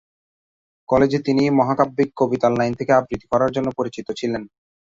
কলেজে তিনি মহাকাব্যিক কবিতার লাইন থেকে আবৃত্তি করার জন্য পরিচিত ছিলেন।